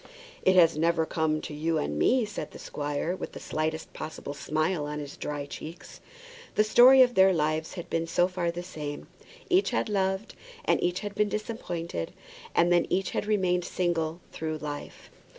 "It has never come to you and me," said the squire, with the slightest possible smile on his dry cheeks. The story of their lives had been so far the same; each had loved, and each had been disappointed, and then each had remained single through life.